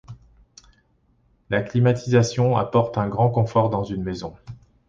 La climatisation apporte un grand confort dans une maison.